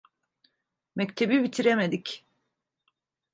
Mektebi bitiremedik.